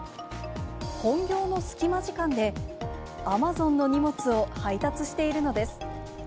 本業のすきま時間で、アマゾンの荷物を配達しているのです。